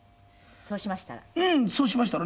そうしましたら？